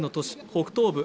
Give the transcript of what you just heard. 北東部